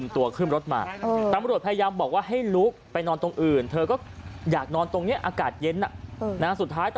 ทะมรถพยายามบอกว่าให้ลุกไปนอนตรงเอิ้นเธอก็อยากนอนตรงเนี้ยอากาศเย็นน่ะ